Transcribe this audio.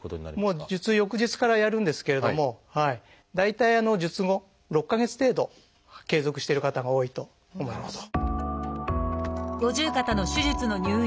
もう術翌日からやるんですけれども大体術後６か月程度継続してる方が多いと思います。